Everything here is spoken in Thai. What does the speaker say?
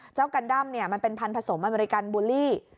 เจ้ากันด้ำมันเป็นพันธุ์ผสมอเมริกันบูลลี่